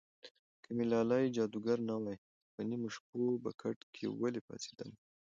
که مې لالی جادوګر نه وای په نیمو شپو به کټ کې ولې پاڅېدمه